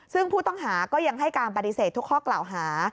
ซึ่งผู้ต้องหาก็ยังให้การปฏิเสธทุกข้อกล่าวหา